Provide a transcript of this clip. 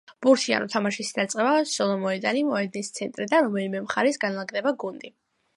ბურთი ანუ თამაშის დაწყება, ხოლო მოედანი, მოედნის ცენტრიდან რომელ მხარეს განლაგდება გუნდი.